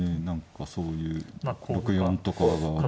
何かそういう６四とかが。